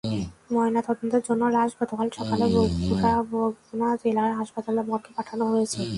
ময়নাতদন্তের জন্য লাশ গতকাল সকালে বরগুনা জেনারেল হাসপাতালের মর্গে পাঠানো হয়েছে।